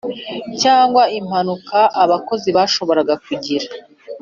cyangwa impanuka abakozi bashobora kugirira